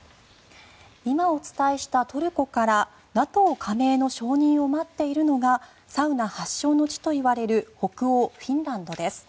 今お伝えしたトルコからＮＡＴＯ加盟の承認を待っているのがサウナ発祥の地といわれる北欧フィンランドです。